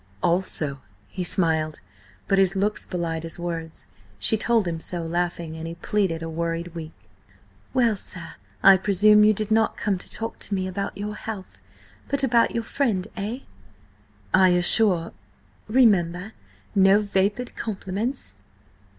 "Also," he smiled, but his looks belied his words. She told him so, laughing, and he pleaded a worried week. "Well, sir, I presume you did not come to talk to me about your health, but about my friend–eh?" "I assure—" "Remember, no vapid compliments!"